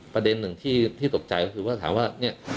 ประเด็นหนึ่งที่ตกใจก็คือว่าถามว่าเนี่ย